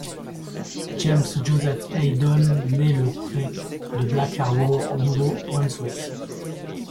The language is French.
James Joseph Hayes Doone naît le près de Blacks Harbour, au Nouveau-Brunswick.